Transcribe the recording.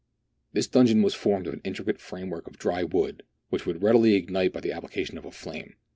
This donjon was formed of an intricate framework of dry wood, which would readily ignite by the application of a flame.